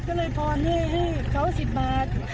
ก็เลยพอด้วยให้เขา๑๐บาท